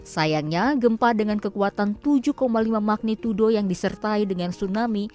sayangnya gempa dengan kekuatan tujuh lima magnitudo yang disertai dengan tsunami